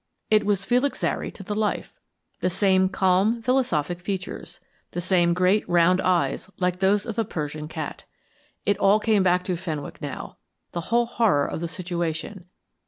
It was Felix Zary to the life; the same calm, philosophic features, the same great round eyes like those of a Persian cat. It all came back to Fenwick now, the whole horror of the situation.